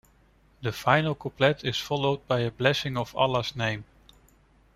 The final couplet is followed by a blessing of Allah's name.